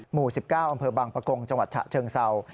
หมู่๑๙อำเภอบางปะกงจังหวัดฉะเชิงเศร้า